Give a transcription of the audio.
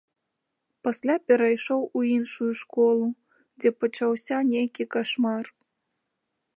Пасля перайшоў у іншую школу, дзе пачаўся нейкі кашмар.